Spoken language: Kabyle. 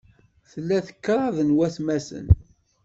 Tla kṛad n watmaten.